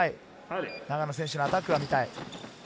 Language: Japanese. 永野選手のアタックが見たい。